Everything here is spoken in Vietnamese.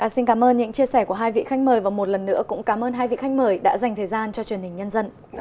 xin cảm ơn những chia sẻ của hai vị khách mời và một lần nữa cũng cảm ơn hai vị khách mời đã dành thời gian cho truyền hình nhân dân